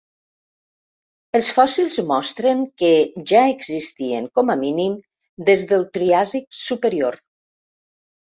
Els fòssils mostren que ja existien, com a mínim, des del Triàsic superior.